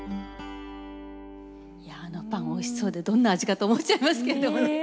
あのパンおいしそうでどんな味かと思っちゃいますけれどもね。